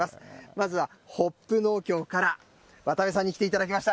まずはホップ農協から、渡部さんに来ていただきました。